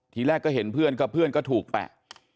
ทีแรกก็เห็นเพื่อนก็เพื่อนก็ถูกแปะ